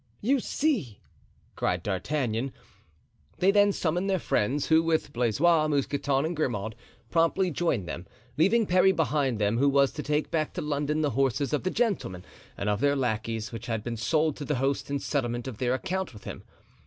"You see!" cried D'Artagnan. They then summoned their friends, who, with Blaisois, Mousqueton and Grimaud, promptly joined them, leaving Parry behind them, who was to take back to London the horses of the gentlemen and of their lackeys, which had been sold to the host in settlement of their account with him.